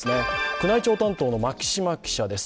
宮内庁担当の牧嶋記者です